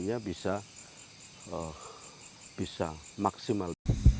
mereka bisa maksimal